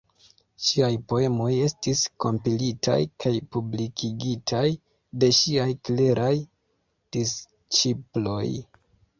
Ŝiaj poemoj estis kompilitaj kaj publikigitaj de ŝiaj kleraj disĉiploj.